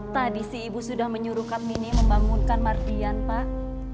tadi si ibu sudah menyuruh kak mini membangunkan mar dian pak